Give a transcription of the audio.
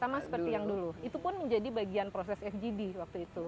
sama seperti yang dulu itu pun menjadi bagian proses fgd waktu itu